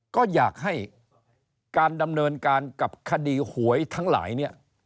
ก็อยากให้การดำเนินการกับคดีหวยทั้งหลายเนี่ย